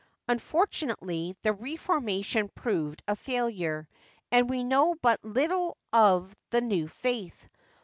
Unfortunately, the reformation proved a failure, and we know but little of the new faith.